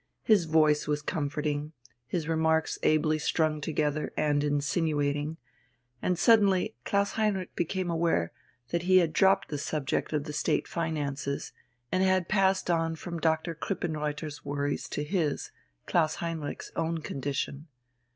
His voice was comforting, his remarks ably strung together and insinuating and suddenly Klaus Heinrich became aware that he had dropped the subject of the State finances, and had passed on from Doctor Krippenreuther's worries to his, Klaus Heinrich's, own condition.